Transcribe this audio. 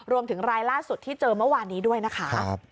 รวมถึงรายล่าสุดที่เจอเมื่อวานนี้ด้วยนะคะ